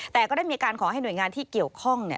แต่ก็ได้มีการขอให้หน่วยงานที่เกี่ยวข้อง